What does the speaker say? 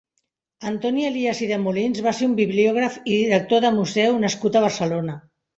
Antoni Elias i de Molins va ser un bibliògraf i director de museu nascut a Barcelona.